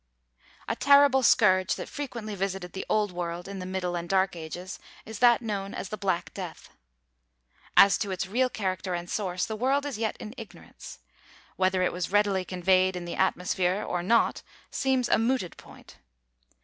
A terrible scourge that frequently visited the old world in the middle and dark ages is that known as the "Black Death." As to its real character and source, the world is yet in ignorance. Whether it was readily conveyed in the atmosphere or not seems a mooted point.